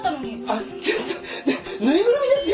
あっちょっと縫いぐるみですよ？